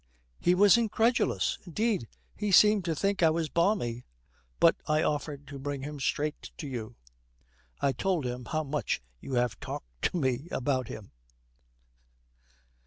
'He was incredulous. Indeed, he seemed to think I was balmy. But I offered to bring him straight to you. I told him how much you had talked to me about him.'